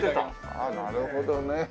あっなるほどね。